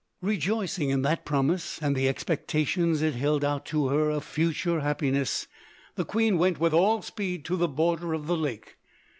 ] Rejoicing in that promise and the expectations it held out to her of future happiness, the queen went with all speed to the border of the lake.